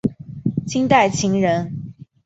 清代琴人。